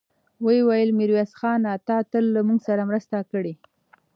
ويې ويل: ميرويس خانه! تا تل له موږ سره مرسته کړې.